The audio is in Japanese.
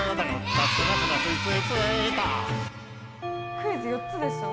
クイズ４つでしょ？